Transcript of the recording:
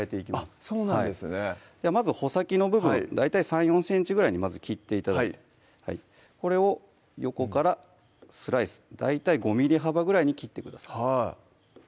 あっそうなんですねじゃあまず穂先の部分大体３４ｃｍぐらいにまず切って頂いてこれを横からスライス大体５ｍｍ幅ぐらいに切ってください